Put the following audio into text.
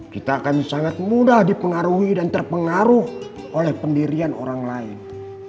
kita akan sangat mudah dipengaruhi dan terpengaruh oleh pendirian orang lain